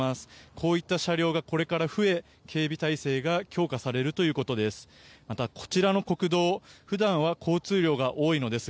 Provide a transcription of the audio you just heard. こういった車両がこれから増え警備態勢が強化されるということです。